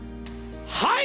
はい！